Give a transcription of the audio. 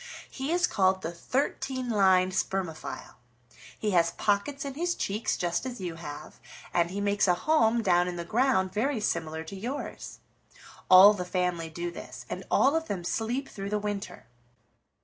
He is called the Thirteen lined Spermophile. He has pockets in his cheeks just as you have, and he makes a home down in the ground very similar to yours. All the family do this, and all of them sleep through the winter.